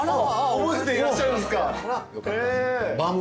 覚えていらっしゃるんですか。